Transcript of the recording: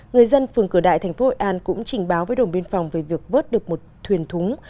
người dân phường cửa đại tp hcm cũng trình báo với đồng biên phòng về việc vớt được một thuyền thúng